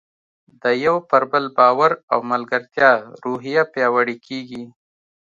د یو پر بل باور او ملګرتیا روحیه پیاوړې کیږي.